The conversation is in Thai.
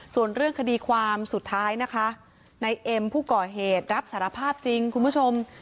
ส่วนเรื่องคดีความสุดท้ายนะคะในเอ็มผู้ก่อเหตุรับสารภาพจริงคุณผู้ชม